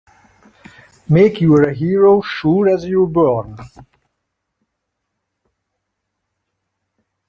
Make you're a hero sure as you're born!